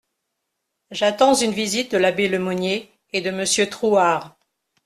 J'attends une visite de l'abbé Le Monnier et de Monsieur Trouard.